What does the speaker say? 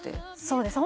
そうです